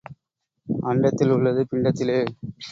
அண்டத்தில் உள்ளது பிண்டத்திலே.